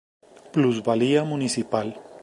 Plusvalía municipal.